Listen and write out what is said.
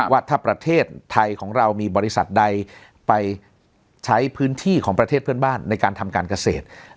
ว่าถ้าประเทศไทยของเรามีบริษัทใดไปใช้พื้นที่ของประเทศเพื่อนบ้านในการทำการเกษตร